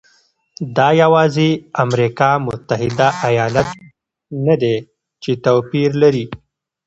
دا یوازې امریکا متحده ایالات نه دی چې توپیر لري.